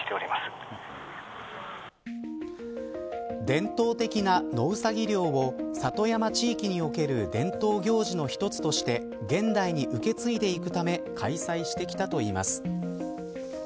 伝統的な野ウサギ猟を里山地域における伝統行事の一つとして現代に受け継いでいくため開催してきたといいます。